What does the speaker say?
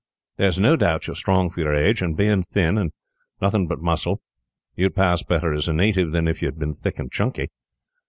There is no doubt you are strong for your age, and being thin, and nothing but muscle, you would pass better as a native than if you had been thick and chunky.